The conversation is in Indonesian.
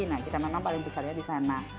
nah kita memang paling besarnya di sana